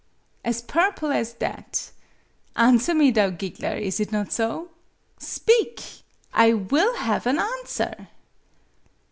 "As purple as that! Answer me, thou giggler; is it not so ? Speak! I will have an answer!